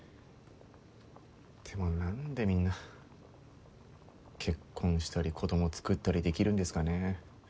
でも何でみんな結婚したり子供つくったりできるんですかね。